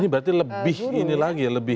berarti lebih ini lagi ya lebih